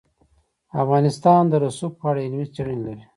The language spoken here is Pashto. افغانستان د رسوب په اړه علمي څېړنې لري.